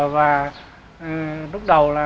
và lúc đầu là